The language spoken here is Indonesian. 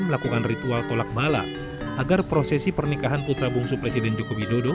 melakukan ritual tolak bala agar prosesi pernikahan putra bungsu presiden joko widodo